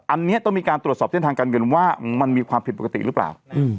อันนี้ต้องมีการตรวจสอบเส้นทางการเงินว่ามันมีความผิดปกติหรือเปล่า